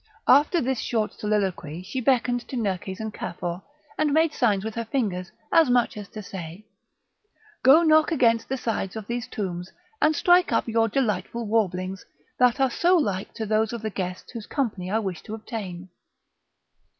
After this short soliloquy she beckoned to Nerkes and Cafour, and made signs with her fingers, as much as to say, "Go, knock against the sides of the tombs, and strike up your delightful warblings, that are so like to those of the guests whose company I wish to obtain."